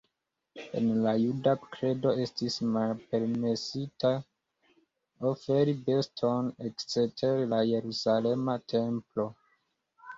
En la juda kredo estis malpermesite oferi beston ekster la Jerusalema templo.